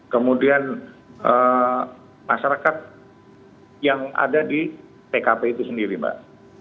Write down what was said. kemudian masyarakat yang ada di tkp itu sendiri mbak